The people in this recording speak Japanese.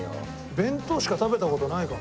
弁当しか食べた事ないからな。